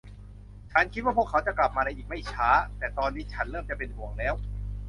ฉันคิดว่าพวกเขาจะกลับมาในอีกไม่ช้า แต่ตอนนี้ฉันเริ่มจะเป็นห่วงแล้ว